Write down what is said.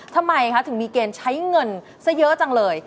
ทำไมคะถึงมีเกณฑ์ใช้เงินซะเยอะจังเลย